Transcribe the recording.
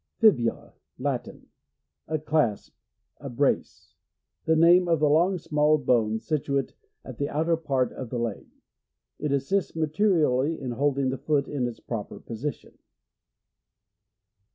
Fibula. — Latin. A clasp, a brace. The name of the long, small bone, situate at the outer p;irt of the leg : it assists materially in holding the foot in iis proper position.